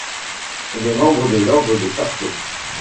Il est membre de l'ordre des Chartreux.